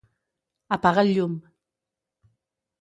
apaga el llum